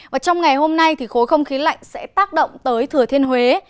và trong ngày hôm nay thì khối không khí lạnh sẽ tác động tới thừa thiên huế